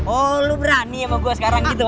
oh lu berani sama gue sekarang gitu